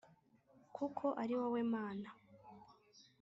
Kuko ari wowe Mana